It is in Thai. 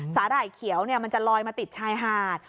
หร่ายเขียวมันจะลอยมาติดชายหาด